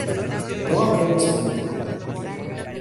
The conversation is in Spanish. no habremos bebido